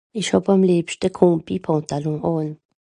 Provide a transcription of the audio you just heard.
ich hàb àm liebschte Combi-Pantalon àn